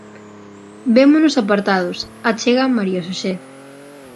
"Vémonos apartados", achega María Xosé.